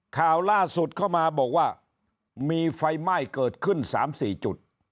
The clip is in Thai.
ข่าวล่าสุดเข้ามาบอกว่ามีไฟไหม้เกิดขึ้น๓๔จุด